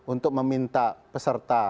untuk meminta peserta